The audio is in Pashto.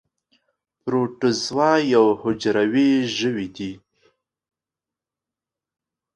پروټوزوا یو حجروي ژوي دي